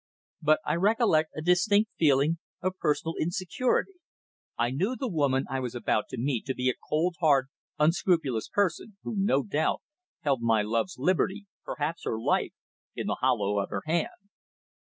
But I recollect a distinct feeling of personal insecurity. I knew the woman I was about to meet to be a cold, hard, unscrupulous person, who, no doubt, held my love's liberty perhaps her life in the hollow of her hand.